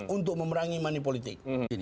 untuk memerangi mani politik